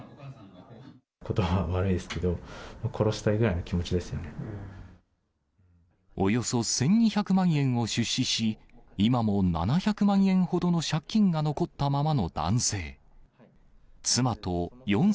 ことばは悪いですけど、およそ１２００万円を出資し、今も７００万円ほどの借金が残ったままの男性。